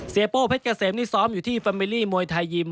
โป้เพชรเกษมนี่ซ้อมอยู่ที่แฟมิลี่มวยไทยยิม